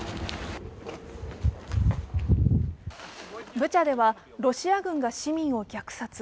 ブチャではロシア軍が市民を虐殺。